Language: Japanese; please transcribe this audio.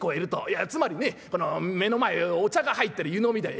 いやつまりねこの目の前お茶が入ってる湯飲みだ。